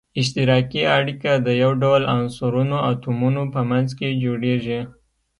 اشتراکي اړیکه د یو ډول عنصرونو اتومونو په منځ کې جوړیږی.